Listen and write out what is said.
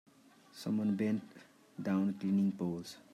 Someone bent down cleaning poles.